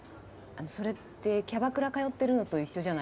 それってキャバクラ通ってるのと一緒じゃないですか。